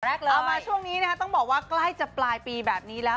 เอามาช่วงนี้นะคะต้องบอกว่าใกล้จะปลายปีแบบนี้แล้ว